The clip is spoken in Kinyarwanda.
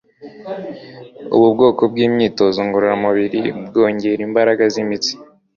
ubu bwoko bwimyitozo ngororamubiri, bwongera imbaraga zimitsi